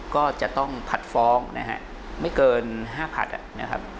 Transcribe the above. ก็จะต้องผัดฟ้องนะฮะไม่เกิน๕ผัดนะครับ